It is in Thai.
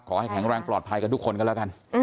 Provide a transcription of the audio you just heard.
ขอให้แข็งแรงปลอดภัยกันทุกคนก็แล้วกัน